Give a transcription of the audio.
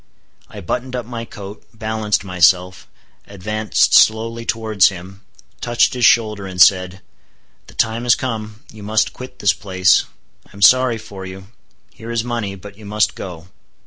I buttoned up my coat, balanced myself; advanced slowly towards him, touched his shoulder, and said, "The time has come; you must quit this place; I am sorry for you; here is money; but you must go."